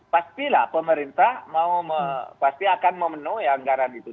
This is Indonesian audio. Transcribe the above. pastilah pemerintah pasti akan memenuhi anggaran itu